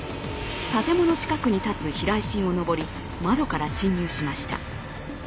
建物近くに立つ避雷針を登り窓から侵入しました。